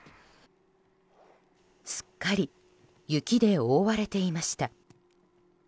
すっかり雪で覆われていました。